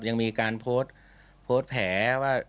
ยังมีการโพสต์โพสต์แผลว่า